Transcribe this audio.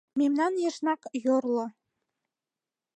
Мемнан ешнак йорло.